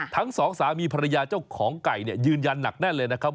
ทั้งสองสามีภรรยาเจ้าของไก่ยืนยันหนักแน่นเลยนะครับ